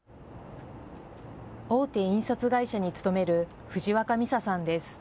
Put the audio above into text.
大手印刷会社に勤める藤若美沙さんです。